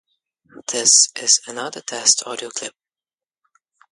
It is located in the municipality of Cosamaloapan.